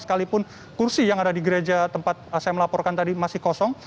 sekalipun kursi yang ada di gereja tempat saya melaporkan tadi masih kosong